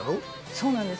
そうなんです